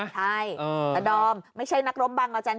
ใช่แต่ดอมไม่ใช่นักรบบังอาจันท